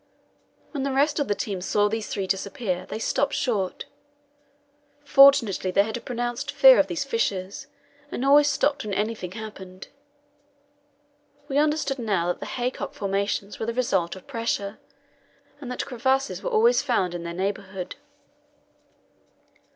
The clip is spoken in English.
When the rest of the team saw these three disappear, they stopped short. Fortunately, they had a pronounced fear of these fissures, and always stopped when anything happened. We understood now that the haycock formations were the result of pressure, and that crevasses were always found in their neighbourhood.